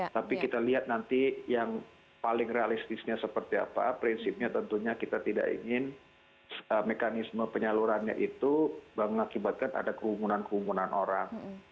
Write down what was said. tapi kita lihat nanti yang paling realistisnya seperti apa prinsipnya tentunya kita tidak ingin mekanisme penyalurannya itu mengakibatkan ada kerumunan kerumunan orang